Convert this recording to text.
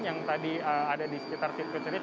yang tadi ada di sekitar sirkuit sendiri